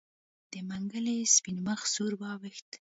د منګلي سپين مخ سور واوښت.